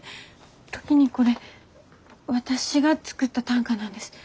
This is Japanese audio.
時にこれ私が作った短歌なんです。